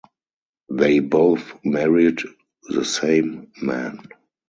They both married the same man.